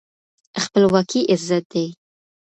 خپلواکي عزت دی.